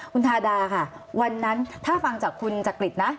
คุณทาดาค่ะวันนั้นถ้าฟังจากคุณจักริตนะ